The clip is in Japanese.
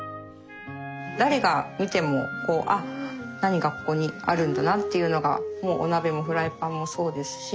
誰が見ても「何がここにあるんだな」っていうのがもうお鍋もフライパンもそうですし。